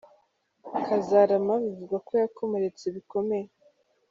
Kazarama bivugwa ko yakomeretse bikomeye